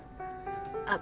あっ